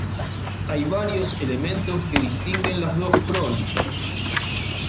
Hay varios elementos que distinguen las dos crónicas.